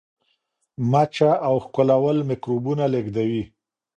مچه او ښکلول میکروبونه لیږدوي.